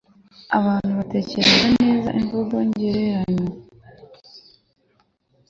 abantu batekereje neza, imvugo ngereranyo